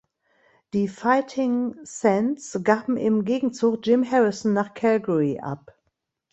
Die Fighting Saints gaben im Gegenzug Jim Harrison nach Calgary ab.